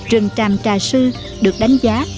rừng tràm trà sư được đánh giá